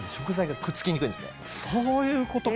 そういうことか。